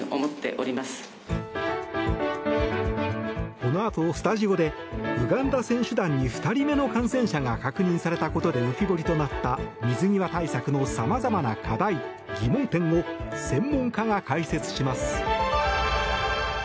このあとスタジオでウガンダ選手団に２人目の感染者が確認されたことで浮き彫りとなった水際対策の様々な課題、疑問点を専門家が解説します。